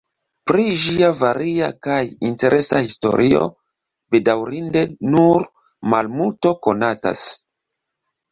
Pri ĝia varia kaj interesa historio bedaŭrinde nur malmulto konatas.